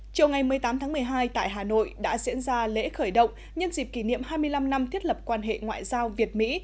chiều ngày một mươi tám tháng một mươi hai tại hà nội đã diễn ra lễ khởi động nhân dịp kỷ niệm hai mươi năm năm thiết lập quan hệ ngoại giao việt mỹ